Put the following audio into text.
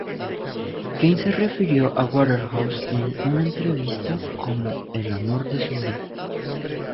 Kane se refirió a Waterhouse en una entrevista como "el amor de su vida".